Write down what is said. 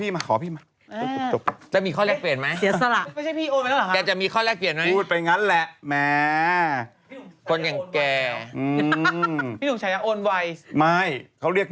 ไม่หรอกน้ำเขียวคืออะไร